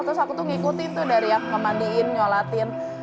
terus aku tuh ngikutin tuh dari yang memandiin nyolatin